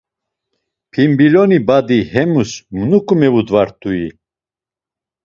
Pimbiloni badi hemus nuǩu mevudvat̆ui!